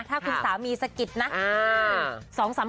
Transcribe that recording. ถ้าคุณสามีสะกิดนะ